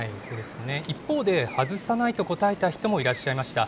一方で、外さないと答えた人もいらっしゃいました。